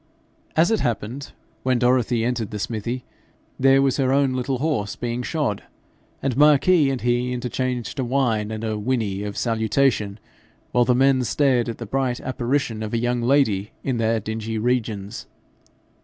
As it happened, when Dorothy entered the smithy, there was her own little horse being shod, and Marquis and he interchanged a whine and a whinny of salutation, while the men stared at the bright apparition of a young lady in their dingy regions.